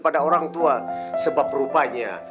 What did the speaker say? pada orang tua sebab rupanya